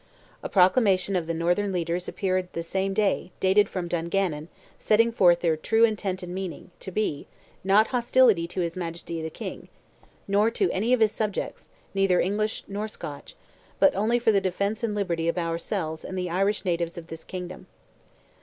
A proclamation of the northern leaders appeared the same day, dated from Dungannon, setting forth their "true intent and meaning" to be, not hostility to his Majesty the King, "nor to any of his subjects, neither English nor Scotch; but only for the defence and liberty of ourselves and the Irish natives of this kingdom."